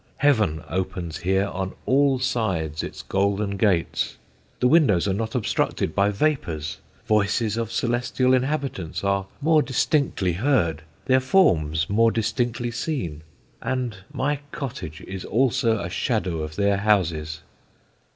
Heaven opens here on all sides its golden gates; the windows are not obstructed by vapours; voices of celestial inhabitants are more distinctly heard, their forms more distinctly seen; and my cottage is also a shadow of their houses."